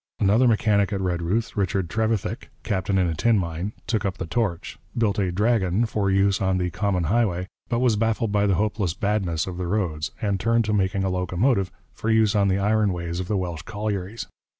Another mechanic at Redruth, Richard Trevithick, captain in a tin mine, took up the torch, built a 'Dragon' for use on the common highway, but was baffled by the hopeless badness of the roads, and turned to making a locomotive for use on the iron ways of the Welsh collieries.